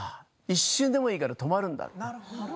一瞬でもいいから止まるんだと。